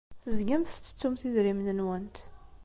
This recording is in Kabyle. Tezgamt tettettumt idrimen-nwent.